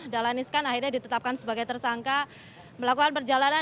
dahlan iskan akhirnya ditetapkan sebagai tersangka melakukan perjalanan